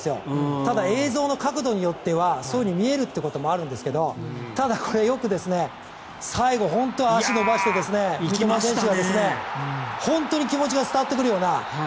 ただ映像の角度によってはそういうふうに見えるということもあるんですがただ、これよく最後、本当に足を伸ばして三笘選手は本当に気持ちが伝わってくるような。